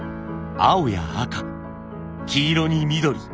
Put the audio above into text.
青や赤黄色に緑。